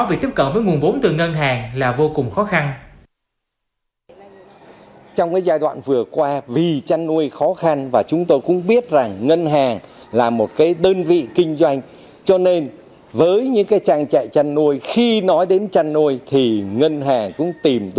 việc tiếp cận với nguồn vốn từ ngân hàng là vô cùng khó khăn